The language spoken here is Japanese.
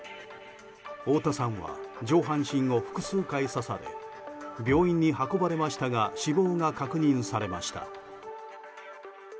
大田さんは上半身を複数回刺され病院に運ばれましたが死亡が確認されました。